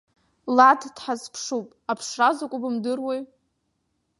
Лад дҳазԥшуп, аԥшра закәу бымдыруеи?